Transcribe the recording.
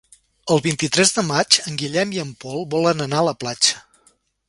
El vint-i-tres de maig en Guillem i en Pol volen anar a la platja.